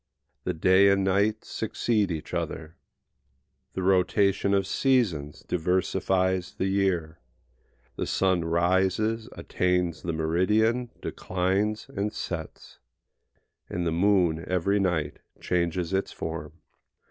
The day and night succeed each other, the rotation of seasons diversifies the year, the sun rises, attains the meridian, declines, and sets; and the moon every night changes its form.